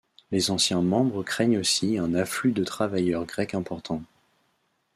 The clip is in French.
Les anciens membres craignent aussi un afflux de travailleurs grecs important.